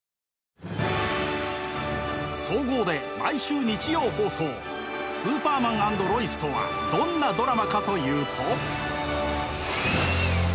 総合で毎週日曜放送「スーパーマン＆ロイス」とはどんなドラマかというと。